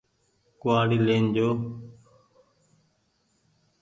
ڪوُ وآڙي لين جو ۔